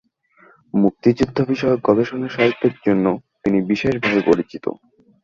মুক্তিযুদ্ধ বিষয়ক গবেষণা সাহিত্যের জন্য তিনি বিশেষভাবে পরিচিত।